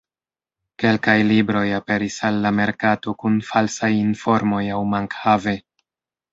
Kelkaj libroj aperis al la merkato kun falsaj informoj aŭ mank-have.